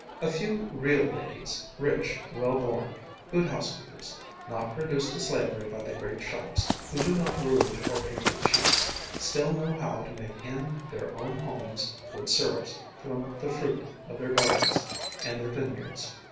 A few real ladies, rich, well born, good housekeepers, not reduced to slavery by the great shops, who do not rouge or paint their cheeks, still know how to make in their own homes good syrups from the fruit of their gardens and their vineyards.